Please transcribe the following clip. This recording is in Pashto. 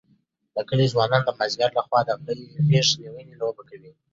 د کلي ځوانان د مازدیګر لخوا د غېږ نیونې لوبه کوي.